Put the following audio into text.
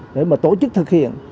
để mà tổ chức thực hiện